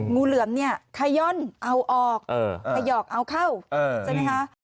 งูเหลือมเนี่ยขย่อนเอาออกขยอกเอาเข้าใช่ไหมคะ